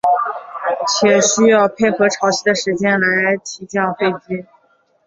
且需要配合潮汐的时间来起降飞机。